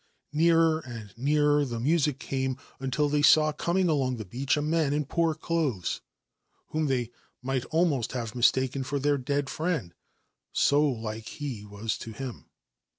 Nearer and nearer the music came, until jy saw coming along the beach a man in poor clothes, lorn they might almost have mistaken for their dead 2nd, so like was he to him.